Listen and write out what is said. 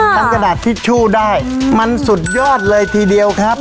กระดาษทิชชู่ได้มันสุดยอดเลยทีเดียวครับ